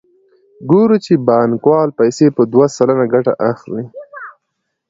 ګورو چې بانکوال پیسې په دوه سلنه ګټه اخلي